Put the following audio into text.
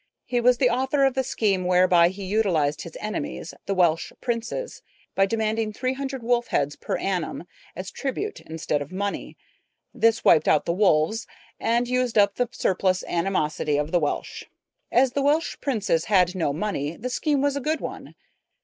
He was the author of the scheme whereby he utilized his enemies, the Welsh princes, by demanding three hundred wolf heads per annum as tribute instead of money. This wiped out the wolves and used up the surplus animosity of the Welsh. As the Welsh princes had no money, the scheme was a good one.